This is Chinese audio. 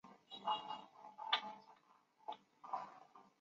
边沁后功利主义的最重要代表人物之一。